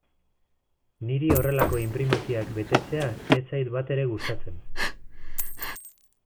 Niri horrelako inprimakiak betetzea ez zait batere gustatzen.